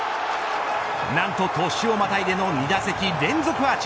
なんと、年をまたいでの２打席連続アーチ。